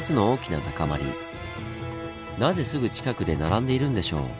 なぜすぐ近くで並んでいるんでしょう？